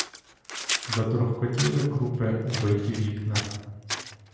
Заторохтіли крупи у биті вікна.